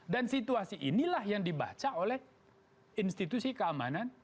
dan situasi inilah yang dibaca oleh institusi keamanan